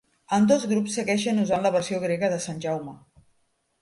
Ambdós grups segueixen usant la versió grega de Sant Jaume.